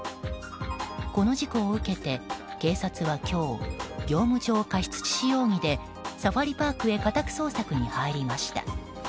この事故を受けて、警察は今日業務上過失致死容疑でサファリパークへ家宅捜索に入りました。